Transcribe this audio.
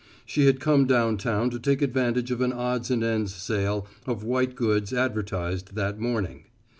She had come down town to take advantage of an odds and ends sale of white goods advertised that morning.